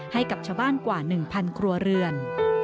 ให้กับชาวบ้านกว่า๑๐๐ครัวเรือน